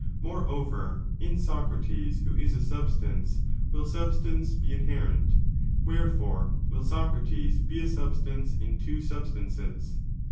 Moreover, in Socrates, who is a substance, will substance be inherent ; wherefore, wiU Socrates be a substance in two substances.